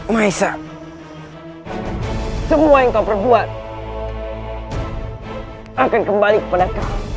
maisa semua yang kau perbuat akan kembali kepada kami